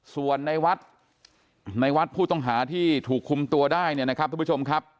ส่วนในวัดในวัดผู้ต้องหาที่ถูกคุมตัวได้เนี่ยนะครับทุกผู้ชมครับ